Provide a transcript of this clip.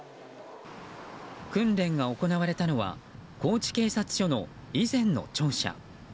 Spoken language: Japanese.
訓練が行われたのは高知警察署の以前の庁舎。